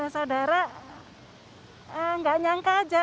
saudara nggak nyangka aja